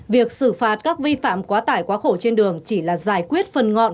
việc xử phạt các vi phạm quá tải quá khổ trên đường chỉ là giải quyết phần ngọn